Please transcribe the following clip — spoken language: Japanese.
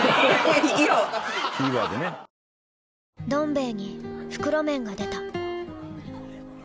「どん兵衛」に袋麺が出た